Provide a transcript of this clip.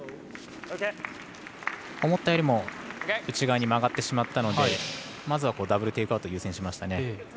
思ったよりも内側に曲がってしまったのでまずはダブル・テイクアウト優先しました。